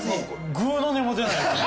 ぐうの音も出ないですね